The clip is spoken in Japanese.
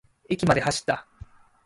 駅まで走った。